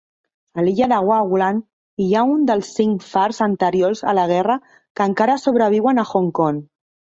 A l'illa de Waglan hi ha un dels cinc fars anteriors a la guerra que encara sobreviuen a Hong Kong.